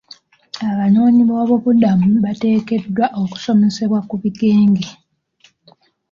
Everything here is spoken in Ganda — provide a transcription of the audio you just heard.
Abanoonyi boobubudamu bateekeddwa okusomesebwa ku bigenge.